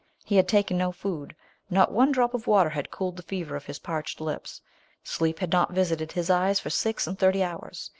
He had taken no food. Not one drop of water had cooled the fever of his parched lips. Sleep had not visited his eyes for six and thirty hours.